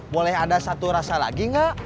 boleh ada satu rasa lagi nggak